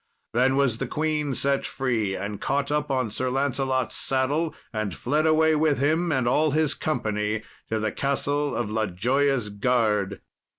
Then was the queen set free, and caught up on Sir Lancelot's saddle and fled away with him and all his company to the Castle of La Joyous Garde.